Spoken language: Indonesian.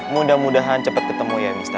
mudah mudahan cepet ketemu ya mister